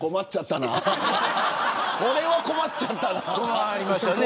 俺は困っちゃったな。